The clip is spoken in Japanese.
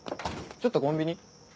ちょっとコンビニ。